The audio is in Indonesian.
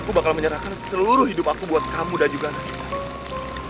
aku bakal menyerahkan seluruh hidup aku buat kamu dan juga anak